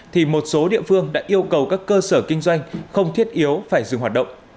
thì một số địa phương đã yêu cầu các cơ sở kinh doanh không thiết yếu phải dừng hoạt động